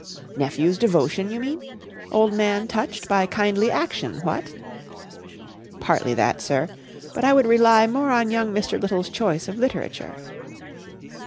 ''" Nephew's devotion, you mean ? Old man touched by kindly action, what ?" tfi Partly that* sir, But I would rely more on young Mr. Littles choice of literature."